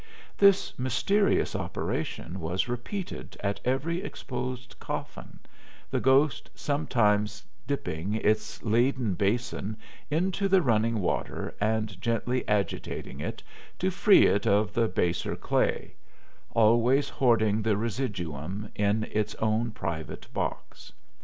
This mysterious operation was repeated at every exposed coffin, the ghost sometimes dipping its laden basin into the running water, and gently agitating it to free it of the baser clay, always hoarding the residuum in its own private box.